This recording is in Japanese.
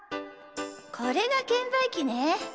これが券売機ね。